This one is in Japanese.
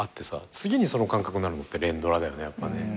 次にその感覚になるのって連ドラだよねやっぱね。